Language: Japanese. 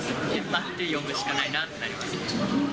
待って読むしかないなってなりますね。